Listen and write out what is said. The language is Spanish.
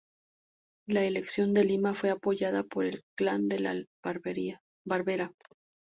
La elección de Lima fue apoyada por el clan de La Barbera.